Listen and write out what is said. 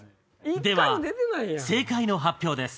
では正解の発表です。